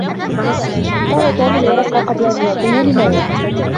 طوى توم الورقة قبل أن يعطيها لماري.